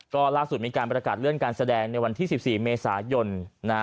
ก็ล่าสุดมีการประกาศเลื่อนการแสดงในวันที่๑๔เมษายน